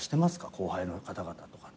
後輩の方々とかって。